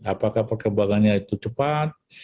apakah perkembangannya itu cepat